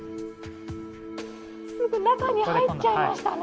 中に入っちゃいましたね。